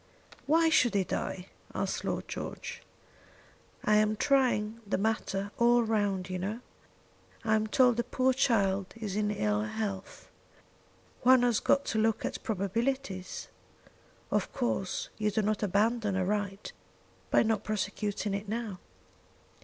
"Why should he die?" asked Lord George. "I am trying the matter all round, you know. I am told the poor child is in ill health. One has got to look at probabilities. Of course you do not abandon a right by not prosecuting it now."